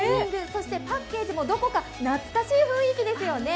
そしてパッケージもどこか懐かしい雰囲気ですよね。